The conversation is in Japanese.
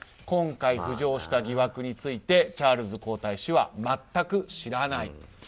今回浮上した疑惑についてチャールズ皇太子は全く知らない。